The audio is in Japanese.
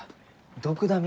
ドクダミ？